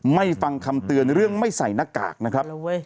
ฟังคำเตือนเรื่องไม่ใส่หน้ากากนะครับ